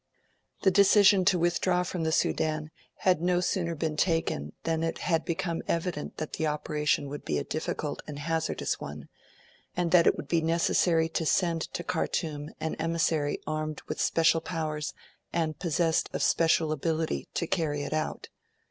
The decision to withdraw from the Sudan had no sooner been taken than it had become evident that the operation would be a difficult and hazardous one, and that it would be necessary to send to Khartoum an emissary armed with special powers and possessed of special ability, to carry it out.